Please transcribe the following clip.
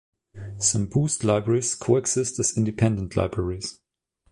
Some Boost libraries coexist as independent libraries.